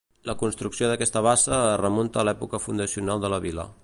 La construcció d'aquesta bassa es remunta a l'època fundacional de la vila.